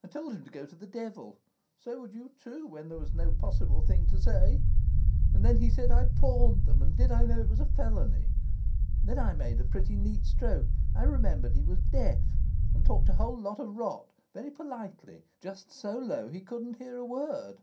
I told him to go to the devil; so would you too, when there was no possible thing to say! And then he said I had pawned them, and did I know it was felony? Then I made a pretty neat stroke. I remembered he was deaf, and talked a whole lot of rot, very politely, just so low he couldn't hear a word.